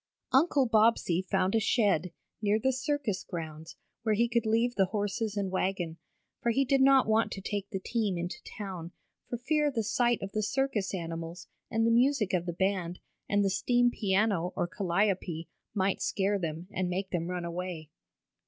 Uncle Bobbsey found a shed, near the circus grounds, where he could leave the horses and wagon, for he did not want to take the team into town, for fear the sight of the circus animals, and the music of the band, and the steam piano, or Calliope, might scare them, and make them run away.